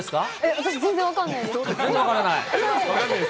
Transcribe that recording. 私、全然分かんないです。